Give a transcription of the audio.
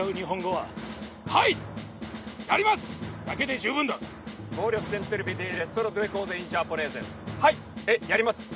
「はいやります」